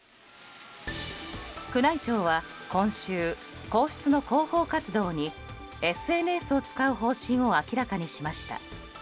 宮内庁は今週、皇室の広報活動にＳＮＳを使う方針を明らかにしました。